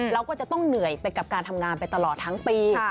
เราก็จะต้องเหนื่อยไปกับการทำงานไปตลอดทั้งปี